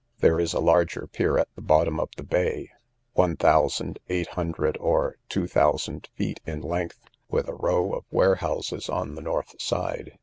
There is a larger pier at the bottom of the bay, one thousand eight hundred, or two thousand feet in length, with a row of warehouses on the north side.